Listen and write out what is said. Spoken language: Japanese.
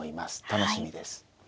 楽しみです。